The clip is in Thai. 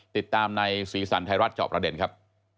ติดตามในสีสันไทยรัฐจอบประเด็นครับ